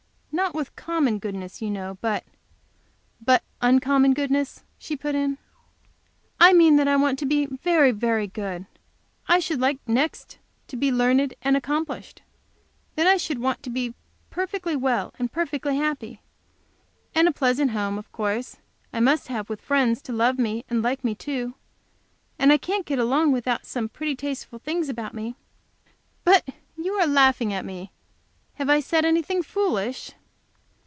Not with common goodness, you know, but " "But uncommon goodness," she put in. "I mean that I want to be very, very good. I should like next best to be learned and accomplished. Then I should want to be perfectly well and perfectly happy. And a pleasant home, of course, I must have, with friends to love me, and like me, too. And I can't get along without some pretty, tasteful things about me. But you are laughing at me! Have I said anything foolish?"